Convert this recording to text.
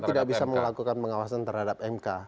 kita tidak bisa melakukan pengawasan terhadap mk